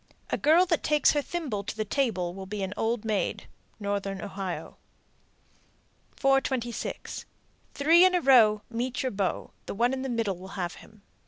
A girl that takes her thimble to the table will be an old maid. Northern Ohio. 426. Three in a row, Meet your beau. The one in the middle will have him.